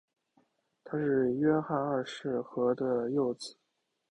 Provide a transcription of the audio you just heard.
他是约翰二世和的幼子。